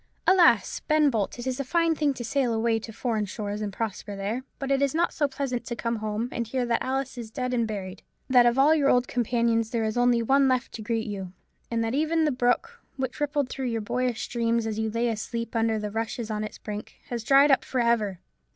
Alas! Ben Bolt, it is a fine thing to sail away to foreign shores and prosper there; but it is not so pleasant to come home and hear that Alice is dead and buried; that of all your old companions there is only one left to greet you; and that even the brook, which rippled through your boyish dreams, as you lay asleep amongst the rushes on its brink, has dried up for ever!